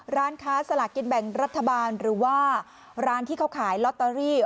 ร้านค้าสลากกินแบ่งรัฐบาลหรือว่าร้านที่เขาขายลอตเตอรี่